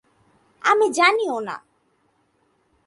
আমি জানিও না।